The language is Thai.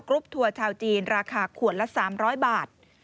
รุปทัวร์ชาวจีนราคาขวดละ๓๐๐บาท